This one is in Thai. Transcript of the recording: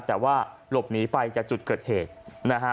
แต่ว่าหลบหนีไปจากจุดเกิดเหตุนะฮะ